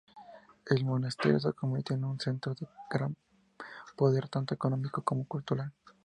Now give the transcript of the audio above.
El monasterio se convirtió en un centro de gran poder tanto económico como cultural.